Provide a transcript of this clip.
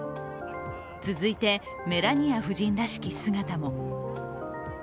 続いてメラニア夫人らしき姿も。